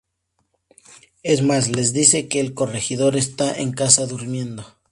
Es más, les dice que el corregidor está en casa, durmiendo.